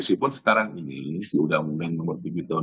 meskipun sekarang ini sudah undang undang nomor tiga tahun dua ribu tujuh belas